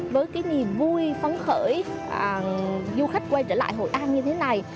với cái niềm vui phấn khởi du khách quay trở lại hội an như thế này